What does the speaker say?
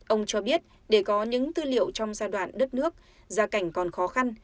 ông cho biết để có những tư liệu trong giai đoạn đất nước gia cảnh còn khó khăn